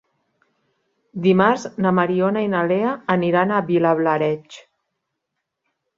Dimarts na Mariona i na Lea aniran a Vilablareix.